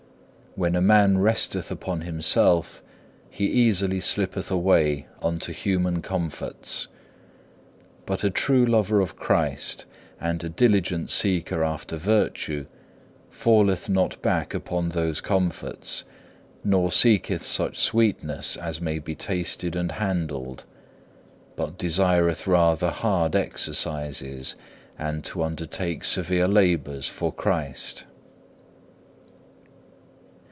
When a man resteth upon himself, he easily slippeth away unto human comforts. But a true lover of Christ, and a diligent seeker after virtue, falleth not back upon those comforts, nor seeketh such sweetness as may be tasted and handled, but desireth rather hard exercises, and to undertake severe labours for Christ.